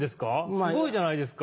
すごいじゃないですか。